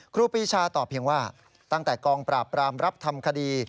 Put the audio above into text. ครูปีชาตอบเพียงว่าตั้งแต่กองปราบปรามรับทำคดี